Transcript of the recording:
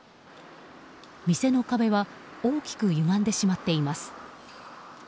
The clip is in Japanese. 店の壁は大きくゆがんでしまっています。